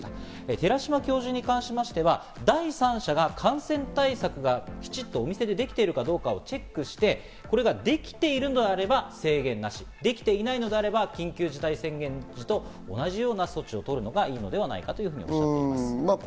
寺嶋教授に関しては、第三者が感染対策がきちっとお店でできているかどうかをチェックして、これができているのであれば制限なし、できていないのであれば緊急事態宣言時と同じ措置を取るのがいいのではないかと話していました。